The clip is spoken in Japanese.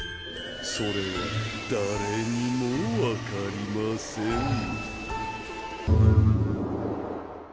それは誰にもわかりません